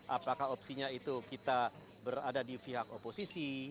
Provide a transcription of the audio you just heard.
apakah opsinya itu kita berada di pihak oposisi